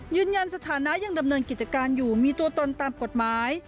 สถานะยังดำเนินกิจการอยู่มีตัวตนตามกฎหมาย